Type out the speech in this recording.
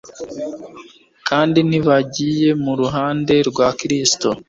kandi ntibagiye mu ruhande rwa Kristo.